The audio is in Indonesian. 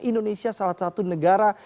indonesia salah satu negara